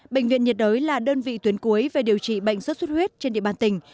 bệnh viện nhiệt đới là đơn vị tuyến cuối về điều trị bệnh xuất xuất huyết trên địa bàn tỉnh